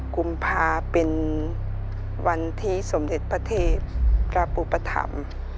๒๖กุมภาพันธ์เป็นวันที่สมเด็จพระเทพรับปุปธรรม